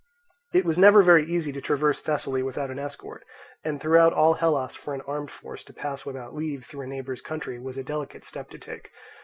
It was never very easy to traverse Thessaly without an escort; and throughout all Hellas for an armed force to pass without leave through a neighbour's country was a delicate step to take.